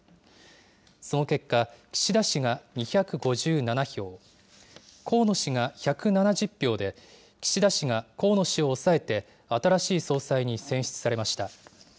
その結果、岸田氏が２５７票、河野氏が１７０票で、岸田氏が河野氏を抑えて、新しい総裁に選出されました。